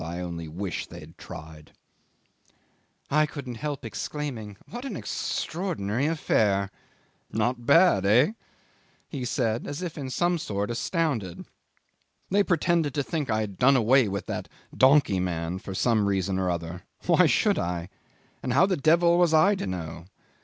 I only wish they had tried." 'I couldn't help exclaiming, "What an extraordinary affair!" '"Not bad eh?" he said, as if in some sort astounded. "They pretended to think I had done away with that donkey man for some reason or other. Why should I? And how the devil was I to know?